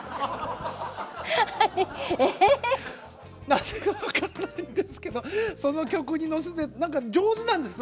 なぜか分かんないんですけどその曲に乗せて上手なんです。